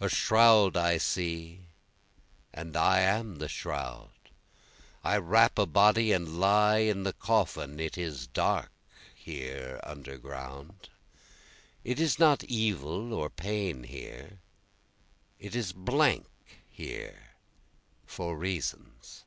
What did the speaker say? A shroud I see and I am the shroud, I wrap a body and lie in the coffin, It is dark here under ground, it is not evil or pain here, it is blank here, for reasons.